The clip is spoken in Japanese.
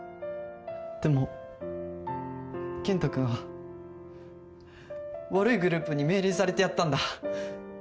でも健太君は悪いグループに命令されてやったんだ。